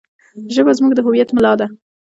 ژبه زموږ د هویت ملا ده.